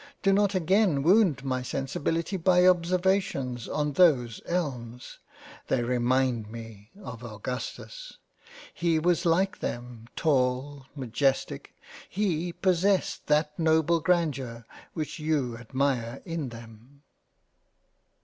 Do not again wound my Sensibility by observa tions on those elms. They remind me of Augustus. He was like them, tall, magestic — he possessed that noble grandeur which you admire in them."